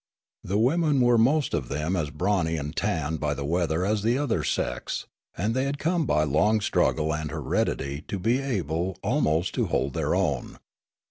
The wouieii were most of them as brawny and tanned by the weather as the other sex, and they had come by long struggle and heredit}^ to be able almost to hold their own.